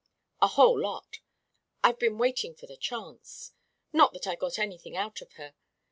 "A whole lot. I've been waiting for the chance. Not that I got anything out of her.